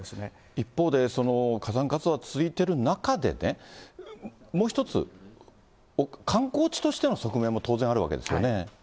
一方で、火山活動が続いてる中でね、もう一つ、観光地としての側面も当然あるわけですよね。